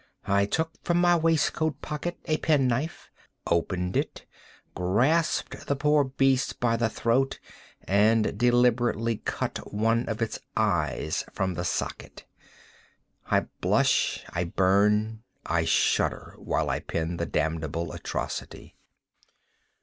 I took from my waistcoat pocket a pen knife, opened it, grasped the poor beast by the throat, and deliberately cut one of its eyes from the socket! I blush, I burn, I shudder, while I pen the damnable atrocity.